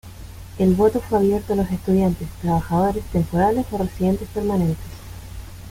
El voto fue abierto a los estudiantes, trabajadores temporales o residentes permanentes.